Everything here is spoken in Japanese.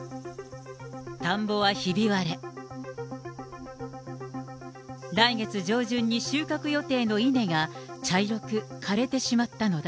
田んぼはひび割れ、来月上旬に収穫予定の稲が、茶色く枯れてしまったのだ。